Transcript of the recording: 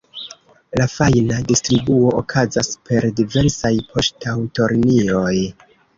La fajna distribuo okazas per diversaj poŝtaŭtolinioj.